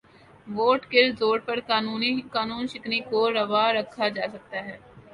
Vote کے زور پر قانون شکنی کو روا رکھا جا سکتا ہے۔